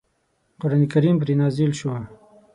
قرآن کریم پرې نازل شو.